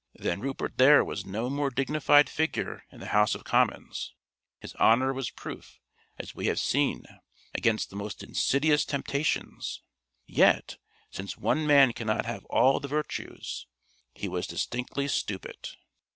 Than Rupert there was no more dignified figure in the House of Commons; his honour was proof, as we have seen, against the most insidious temptations; yet, since one man cannot have all the virtues, he was distinctly stupid.